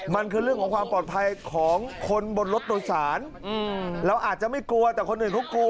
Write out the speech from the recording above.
มันคือเรื่องของความปลอดภัยของคนบนรถโดยสารเราอาจจะไม่กลัวแต่คนอื่นเขากลัว